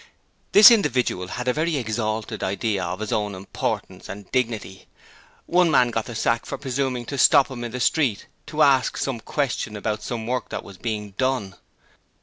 This individual had a very exalted idea of his own importance and dignity. One man got the sack for presuming to stop him in the street to ask some questions about some work that was being done.